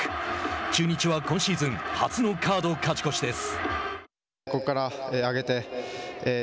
中日は今シーズン初のカード勝ち越しです。